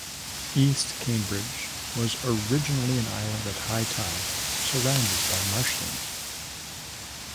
East Cambridge was originally an island at high tide, surrounded by marshland.